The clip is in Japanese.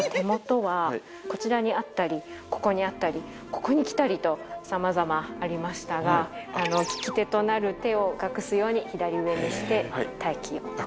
こちらにあったりここにあったりここに来たりとさまざまありましたが利き手となる手を隠すように左上にして待機を。